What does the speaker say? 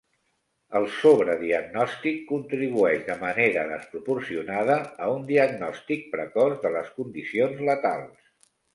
El sobrediagnòstic contribueix de manera desproporcionada a un diagnòstic precoç de les condicions letals.